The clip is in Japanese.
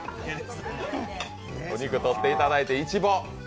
お肉とっていただいて、イチボ！